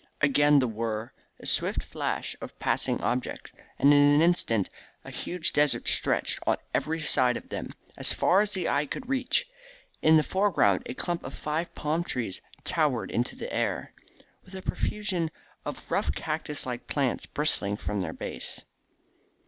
Again the whirr, the swift flash of passing objects, and in an instant a huge desert stretched on every side of them, as far as the eye could reach. In the foreground a clump of five palm trees towered into the air, with a profusion of rough cactus like plants bristling from their base.